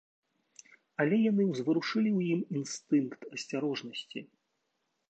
Але яны ўзварушылі ў ім інстынкт асцярожнасці.